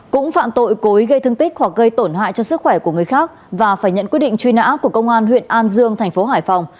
cũng phạm tội cối gây thương tích hoặc gây tổn hại cho sức khỏe của người khác và phải nhận quyết định truy nã của công an huyện an dương thành phố hải phòng